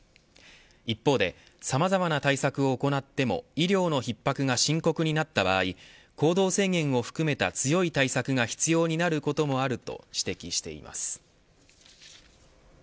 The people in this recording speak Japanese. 一方でさまざまな対策を行っても医療のひっ迫が深刻になった場合行動制限を含めた強い対策が必要になることもあると指摘しています。